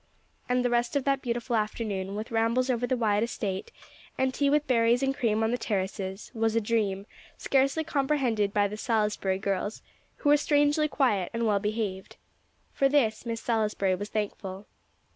And the rest of that beautiful afternoon, with rambles over the wide estate, and tea with berries and cream on the terraces, was a dream, scarcely comprehended by the "Salisbury girls," who were strangely quiet and well behaved. For this Miss Salisbury was thankful.